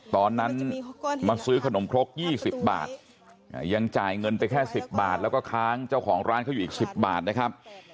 ตอนนั้นมาซื้อขนมครก๒๐บาทยังจ่ายเงินไปแค่๑๐บาทแล้วก็ค้างเจ้าของร้านเขาอยู่อีก๑๐บาทนะครับ